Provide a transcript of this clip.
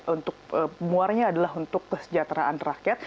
memperkuat kerjasama tentunya untuk muarnya adalah untuk kesejahteraan rakyat